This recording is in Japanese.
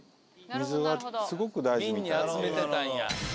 水がすごく大事みたいで。